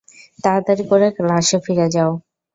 তাড়াতাড়ি করে ক্লাসে ফিরে যাও।